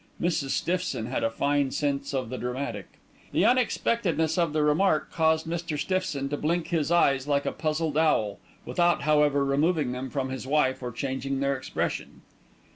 Mrs. Stiffson had a fine sense of the dramatic! The unexpectedness of the remark caused Mr. Stiffson to blink his eyes like a puzzled owl, without however removing them from his wife, or changing their expression.